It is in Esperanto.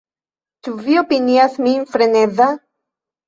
Ĉu vi opinias min freneza?